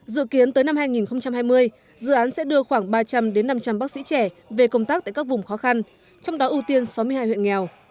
dự kiến tới năm hai nghìn hai mươi dự án sẽ đưa khoảng ba trăm linh năm trăm linh bác sĩ trẻ về công tác tại các vùng khó khăn trong đó ưu tiên sáu mươi hai huyện nghèo